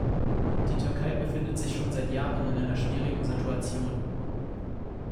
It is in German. Die Türkei befindet sich schon seit Jahren in einer schwierigen Situation.